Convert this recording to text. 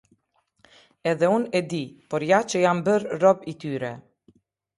Edhe unë e di, por ja që jam bërë rob i tyre.